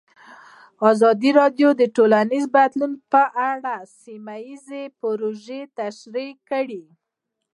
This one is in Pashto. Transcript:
ازادي راډیو د ټولنیز بدلون په اړه سیمه ییزې پروژې تشریح کړې.